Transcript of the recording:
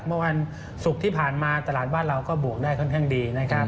เมื่อวันศุกร์ที่ผ่านมาตลาดบ้านเราก็บวกได้ค่อนข้างดีนะครับ